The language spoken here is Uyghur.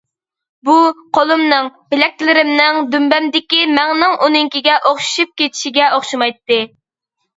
بۇ، قولۇمنىڭ، بىلەكلىرىمنىڭ، دۈمبەمدىكى مەڭنىڭ ئۇنىڭكىگە ئوخشىشىپ كېتىشىگە ئوخشىمايتتى.